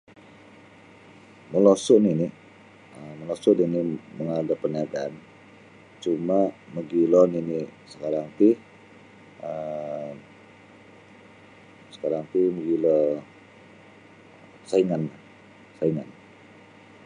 Molosu' nini' um molosu' nini' mangaal da parniagaan cuma mogilo nini' sakarang ti um sakarang ti mogilo sainganlah saingan.